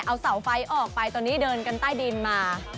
เอาเสาไฟออกไปตอนนี้เดินกันใต้ดินมา